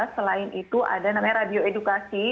selain itu ada namanya radio edukasi